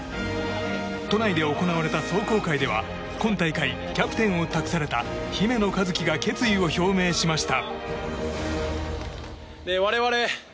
都内で行われた壮行会では今大会キャプテンを任された姫野和樹が決意を表明しました。